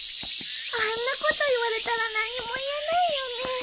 あんなこと言われたら何も言えないよね。